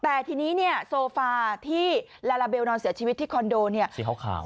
แต่ทีนี้เนี่ยโซฟาที่ลาลาเบลนอนเสียชีวิตที่คอนโดเนี่ยสีขาว